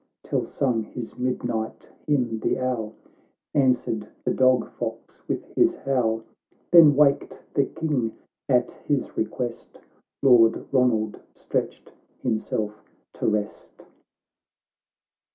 Till sung his midnight hymn the owl, Answered the dog fox with his howl, Then waked the King— at his request, Lord Eonald stretched himself to rest.